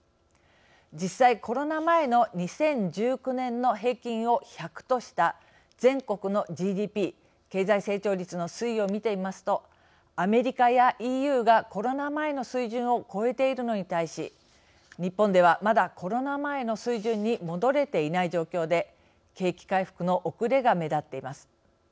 実際コロナ前の２０１９年の平均を１００とした全国のＧＤＰ＝経済成長率の推移を見てみますとアメリカやＥＵがコロナ前の水準を超えているのに対し日本ではまだコロナ前の水準に戻れていない状況で景気回復の遅れが目立っています。